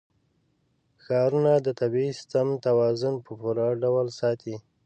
ښارونه د طبعي سیسټم توازن په پوره ډول ساتي.